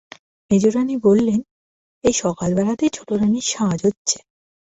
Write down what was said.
মেজোরানী, বললেন, এই সকালবেলাতেই ছোটোরানীর সাজ হচ্ছে!